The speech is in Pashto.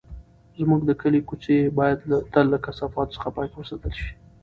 زموږ د کلي کوڅې باید تل له کثافاتو څخه پاکې وساتل شي.